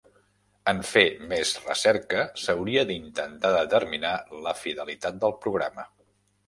En fer més recerca, s'hauria d'intentar determinar la fidelitat del programa.